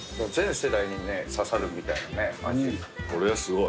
これはすごい。